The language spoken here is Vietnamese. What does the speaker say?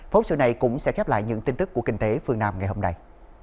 phóng sự này cũng sẽ khép lại những tin tức của kinh tế phương nam ngày hôm nay